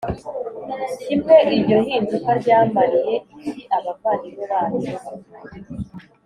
kimwe Iryo hinduka ryamariye iki abavandimwe bacu